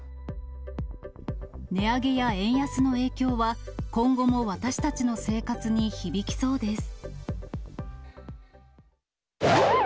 値上げや円安の影響は、今後も私たちの生活に響きそうです。